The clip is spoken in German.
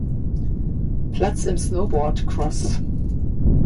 Platz im Snowboardcross.